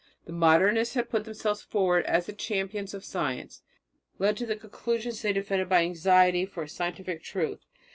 The Modernists had put themselves forward as the champions of science, led to the conclusions they defended by anxiety for scientific truth.